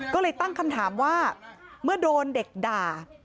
ก็เลยตั้งคำถามว่าเมื่อโดนเด็กด่า